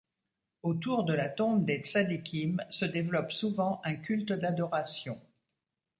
Autour de la tombe des Tsadikim se développe souvent un culte d'adoration.